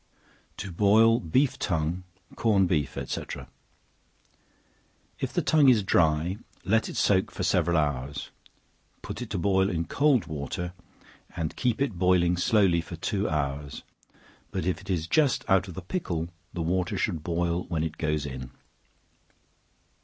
To Boil Beef Tongue, Corned Beef &c. If the tongue is dry, let it soak for several hours, put it to boil in cold water, and keep it boiling slowly for two hours; but if it is just out of the pickle, the water should boil when it goes in.